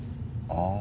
ああ。